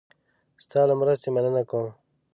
ستا له مرستې مننه کوم.